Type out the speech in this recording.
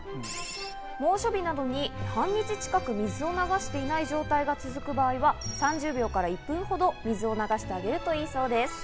猛暑日などに半日近く水を流していない状態が続く場合は３０秒から１分ほど水を流してあげるといいそうです。